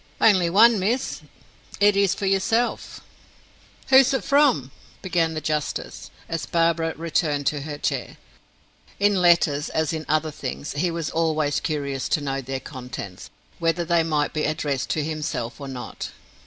"Only one miss. It is for yourself." "Who is it from?" began the justice, as Barbara returned to her chair. In letters as in other things, he was always curious to know their contents, whether they might be addressed to himself or not.